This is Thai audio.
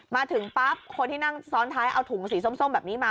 มาถึงปั๊บคนที่นั่งซ้อนท้ายเอาถุงสีส้มแบบนี้มา